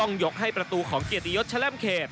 ยกให้ประตูของเกียรติยศแลมเขต